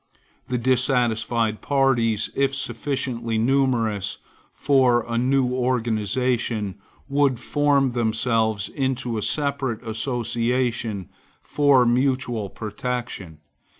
The dissatisfied parties, if sufficiently numerous for a new organization, would form themselves into a separate association for mutual protection.